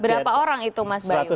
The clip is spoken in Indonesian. berapa orang itu mas bayu